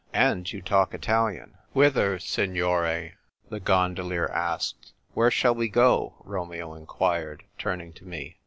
"And you talk Italian!" " Whither, signore ?" the gondolier asked. " Where shall we go ?" Romeo inquired, turning to me.